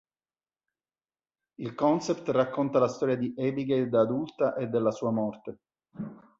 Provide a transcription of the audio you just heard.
Il concept racconta la storia di Abigail da adulta e della sua morte.